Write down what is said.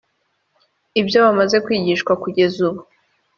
Ibyo bamaze kwigishwa kugeza ubu